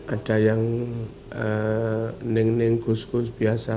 ada yang ning neng gus gus biasa